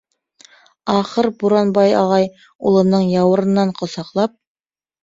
Ахыр Буранбай ағай, улының яурынынан ҡосаҡлап: